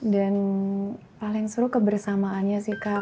dan paling seru kebersamaannya sih kak